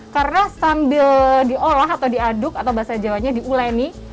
karena sambil diolah atau diaduk atau bahasa jawa nya diuleni